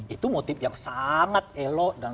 itu motif yang sangat elok dan